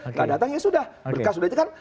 tidak datang ya sudah berkas sudah dikatakan